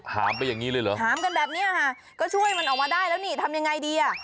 มไปอย่างนี้เลยเหรอถามกันแบบนี้ค่ะก็ช่วยมันออกมาได้แล้วนี่ทำยังไงดีอ่ะ